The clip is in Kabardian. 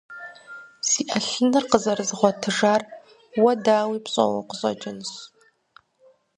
Сэ Ӏэлъыныр къызэрызгъуэтыжар уэ, дауи, пщӀэуэ къыщӀэкӀынщ.